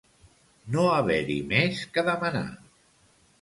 No haver-hi més que demanar.